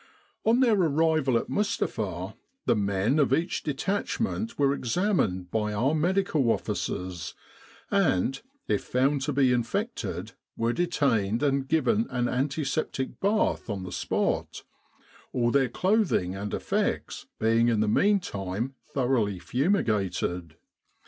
On their arrival at Mustapha the men of each detachment were examined by OUF Medical Officers, and, if found to be infected, were detained and given an antiseptic bath on the spot, all their clothing and effects being in the meantime thoroughly fumigated.